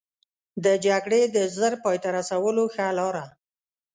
د جګړې د ژر پای ته رسولو ښه لاره.